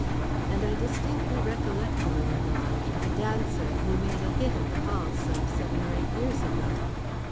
And I distinctly recollect a Lalage, a dancer, who made a hit at the halls some seven or eight years ago."